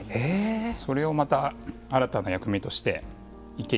それをまた新たな役目として池に。